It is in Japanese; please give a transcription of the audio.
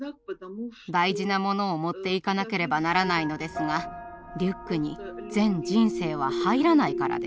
大事なものを持っていかなければならないのですがリュックに全人生は入らないからです。